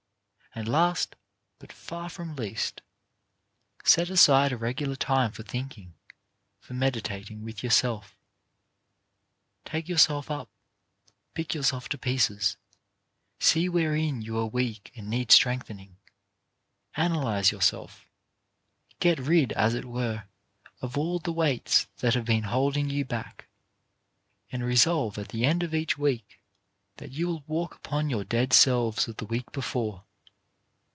And last, but far from least, set aside a regular time for thinking, for meditating with yourself. Take yourself up, pick yourself to pieces, see SOME GREAT LITTLE THINGS 179 wherein you are weak and need strengthening. Analyze yourself. Get rid, as it were, of all the weights that have been holding you back, and resolve at the end of each week that you will walk upon your dead selves of the week before.